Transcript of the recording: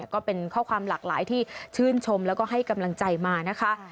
ก็เป็นข้อความหลากหลายที่ชื่นชมแล้วก็ให้กำลังใจมานะคะ